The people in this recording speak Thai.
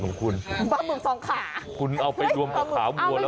เออจริงของคุณคุณเอาไปรวมหัวขาบัวแล้วอ่ะ